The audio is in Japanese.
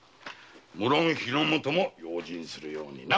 無論火の元も用心するようにな。